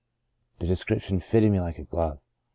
The description fitted me like a glove.